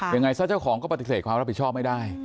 ยังไงซะเจ้าของก็ปฏิเสธความรับผิดชอบไม่ได้